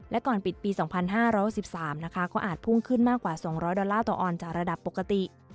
และก่อนปิดปี๒๕๖๓นะคะก็อาจพุ่งขึ้นมากกว่า๒๐๐ดอลลาร์ต่อออนจากระดับปกติ